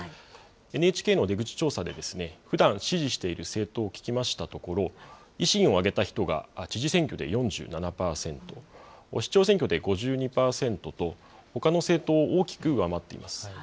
ＮＨＫの出口調査で、ふだん支持している政党を聞きましたところ、維新を挙げた人が知事選挙で４７％、市長選挙で５２％と、ほかの政党を大きく上回っています。